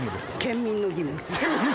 県民の義務？